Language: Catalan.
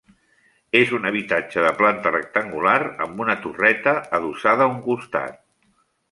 És un habitatge de planta rectangular amb una torreta adossada a un costat.